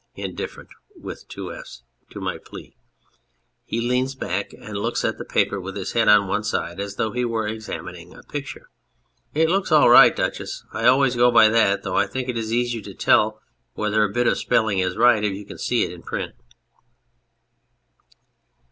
" Indifferent" (with two f's) "to my plea. ..." (He leans back and looks at the paper with his head on one side as though he were examining a picture.) It looks all right, Duchess. I always go by that, though I think it is easier to tell whether a bit of spelling is right if you can see it in print.